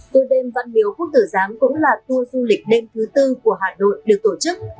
tour đêm văn miếu quốc tử giám cũng là tour du lịch đêm thứ tư của hà nội được tổ chức